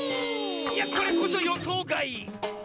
いやこれこそよそうがい！